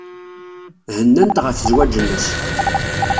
Hennan-t ɣef zzwaj-nnes.